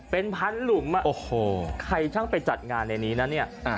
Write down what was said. เป็นพันหลุมใครช่างไปจัดงานในนี้นะเนี่ย